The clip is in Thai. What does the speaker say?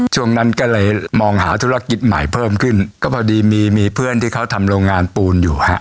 ช่วงนั้นก็เลยมองหาธุรกิจใหม่เพิ่มขึ้นก็พอดีมีมีเพื่อนที่เขาทำโรงงานปูนอยู่ฮะ